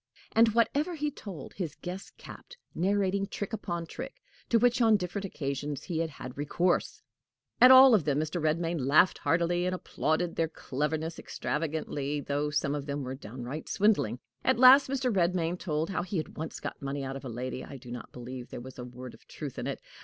And whatever he told, his guest capped, narrating trick upon trick to which on different occasions he had had recourse. At all of them Mr. Redmain laughed heartily, and applauded their cleverness extravagantly, though some of them were downright swindling. At last Mr. Redmain told how he had once got money out of a lady. I do not believe there was a word of truth in it.